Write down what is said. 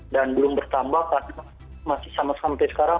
dan belum bertambah karena masih sama sama sampai sekarang